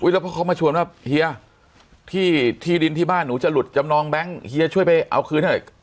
แล้วเพราะเขามาชวนว่าเฮียที่ดินที่บ้านหนูจะหลุดจำนองแบงค์เฮียช่วยไปเอาคืนให้หน่อย